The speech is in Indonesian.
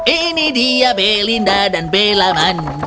ini dia belinda dan belaman